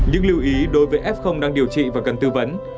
những lưu ý đối với f đang điều trị và cần tư vấn